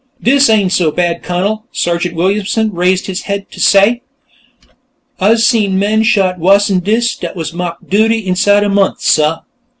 "Dis ain' so bad, Cunnel," Sergeant Williamson raised his head to say. "Ah's seen men shot wuss'n dis dat was ma'ked 'Duty' inside a month, suh."